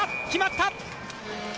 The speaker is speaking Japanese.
決まった！